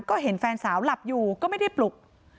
ก็เห็นแฟนสาวหลับอยู่ก็ไม่ได้ปลุก